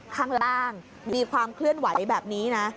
ข้างล่างมีความเคลื่อนไหวแบบนี้นะ